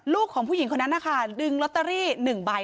โลตตะรี่